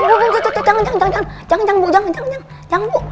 oh bu jangan jangan jangan jangan bu